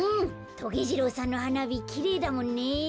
トゲ次郎さんのはなびきれいだもんね。